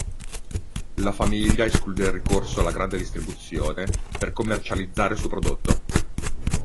La famiglia esclude il ricorso alla grande distribuzione per commercializzare il suo prodotto..